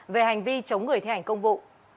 về hành vi chống người thi hành công vụ